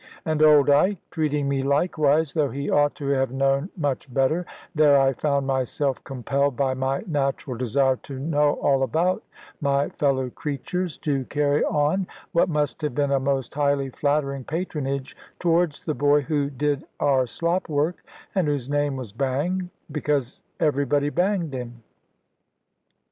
And old Ike treating me likewise, though he ought to have known much better, there I found myself compelled by my natural desire to know all about my fellow creatures, to carry on what must have been a most highly flattering patronage towards the boy who did our slop work, and whose name was "Bang," because everybody banged him.